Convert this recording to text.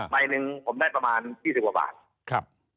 ใบหนึ่งผมได้ประมาณ๒๐กว่าบาทครับ